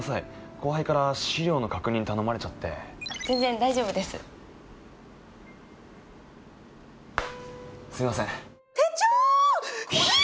後輩から資料の確認頼まれちゃって全然大丈夫ですすいません